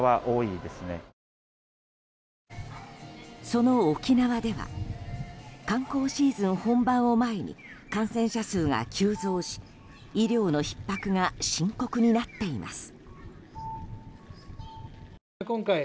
その沖縄では観光シーズン本番を前に感染者数が急増し医療のひっ迫が深刻になっています。